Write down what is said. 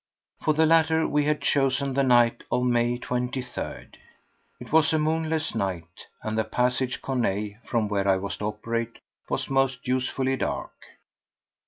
For the latter we had chosen the night of May 23rd. It was a moonless night, and the Passage Corneille, from whence I was to operate, was most usefully dark.